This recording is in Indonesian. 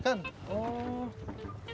istrinya mau melahirkan